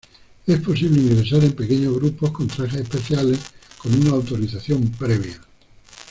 Es posible ingresar en pequeños grupos con trajes especiales con una autorización previa.